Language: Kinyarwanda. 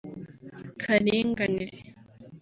” Karinganire